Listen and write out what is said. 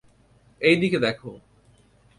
এই দিকে দেখো।